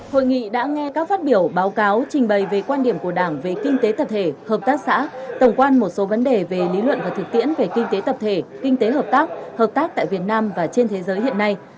hội nghị đã nghe các phát biểu báo cáo trình bày về quan điểm của đảng về kinh tế tập thể hợp tác xã tổng quan một số vấn đề về lý luận và thực tiễn về kinh tế tập thể kinh tế hợp tác hợp tác tại việt nam và trên thế giới hiện nay